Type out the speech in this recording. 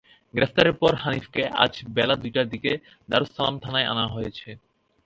গ্রেপ্তারের পর হানিফকে আজ বেলা দুইটার দিকে দারুস সালাম থানায় আনা হয়েছে।